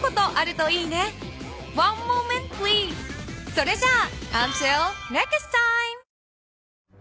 それじゃあ。